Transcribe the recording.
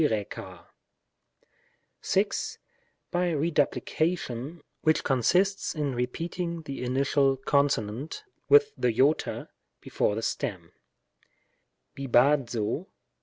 By Keduplication, which consists in repeating the initial consonant with the Iota, before the stem : fic/3d^(o